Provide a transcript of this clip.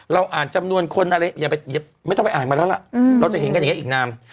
อ่านจำนวนคนอะไรไม่ต้องไปอ่านมาแล้วล่ะเราจะเห็นกันอย่างนี้อีกนาน